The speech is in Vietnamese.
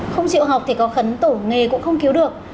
không chịu học thì có khấn tổ nghề cũng không cứu được